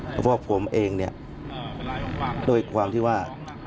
เพราะว่าผมเองโดยความที่ว่า